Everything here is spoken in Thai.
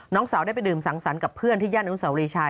น้องสาวได้ไปดื่มสังสรรค์กับเพื่อนที่ย่านอนุสาวรีชาย